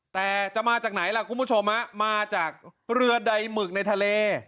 แต่จะมาจากไหนล่ะคุณผู้ชมมาจากเรือใดหมึกในทะเล